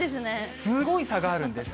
すごい差があるんです。